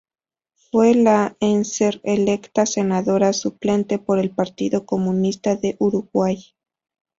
Fue la en ser electa senadora suplente por el Partido Comunista de Uruguay.